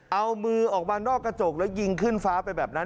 เอามือออกมานอกกระจกแล้วยิงขึ้นฟ้าไปแบบนั้น